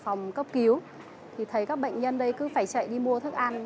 phòng cấp cứu thì thấy các bệnh nhân đây cứ phải chạy đi mua thức ăn